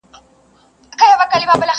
پوښتني لا هم ژوندۍ پاتې کيږي تل